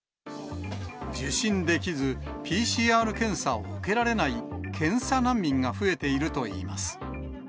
受診できず、ＰＣＲ検査を受けられない検査難民が増えているといいます。